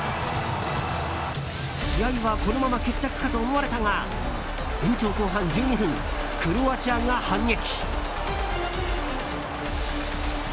試合はこのまま決着かと思われたが延長後半１２分クロアチアが反撃！